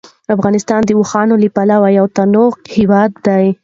افغانستان د اوښانو له پلوه یو متنوع هېواد دی.